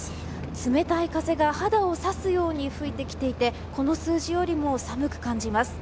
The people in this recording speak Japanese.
冷たい風が肌を刺すように吹いてきていてこの数字よりも寒く感じます。